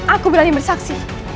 aku berani bersaksi